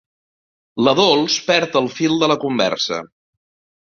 La Dols perd el fil de la conversa.